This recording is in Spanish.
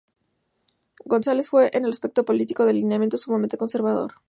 González fue, en el aspecto político, de lineamiento sumamente conservador.